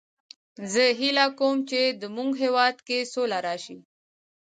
زه هیله کوم چې د مونږ هیواد کې سوله راشي